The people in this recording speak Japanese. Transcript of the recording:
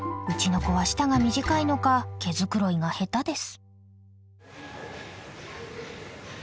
うちの子は舌が短いのか毛繕いが下手です。